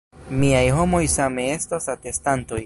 Miaj homoj same estos atestantoj.